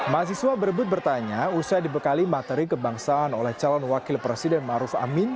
mahasiswa berebut bertanya usai dibekali materi kebangsaan oleh calon wakil presiden maruf amin